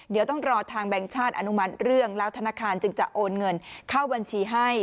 เดี๋ยวต้องรอทางแบงค์ชาติอนุมัติเรื่องแล้วธนาคารจึงจะโอนเงินเข้าบัญชีให้